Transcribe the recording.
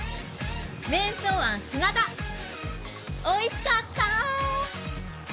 ［おいしかった］